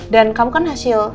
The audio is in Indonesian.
dan kamu kan hasil